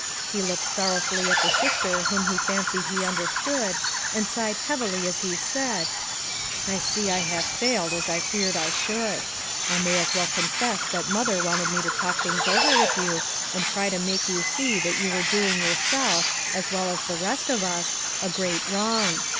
He looked sorrowfully at the sister whom he fancied he understood, and sighed heavily as he said: "I see I have failed, as I feared I should, I may as well confess that Mother wanted me to talk things over with you and try to make you see that you were doing yourself, as well as the rest of us, a great wrong.